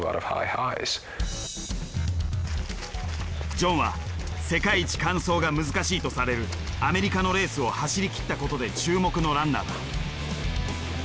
ジョンは世界一完走が難しいとされるアメリカのレースを走り切ったことで注目のランナーだ。